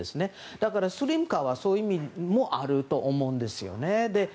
だから、スリム化はそういう意味もあると思うんですね。